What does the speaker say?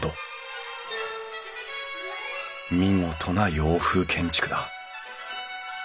見事な洋風建築だ。